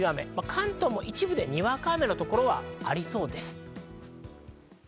関東も一部でにわか雨の所がありそうです。